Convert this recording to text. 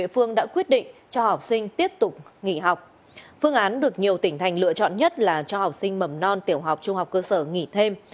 phương án được nhiều tỉnh thành lựa chọn nhất là cho học sinh mầm non tiểu học trung học cơ sở nghỉ thêm